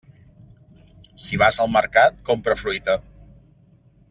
Si vas al mercat, compra fruita.